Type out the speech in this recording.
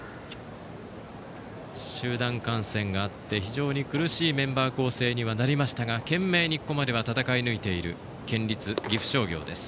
集団感染があって、非常に苦しいメンバー構成にはなりましたが懸命に、ここまでは戦い抜いている県立岐阜商業です。